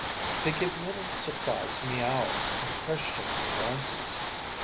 They give little surprised miaows and questioning glances.